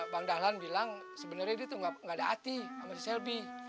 bang dahlan bilang sebenarnya dia tuh gak ada hati sama si selbi